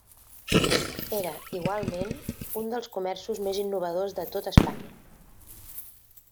Era, igualment, un dels comerços més innovadors de tot Espanya.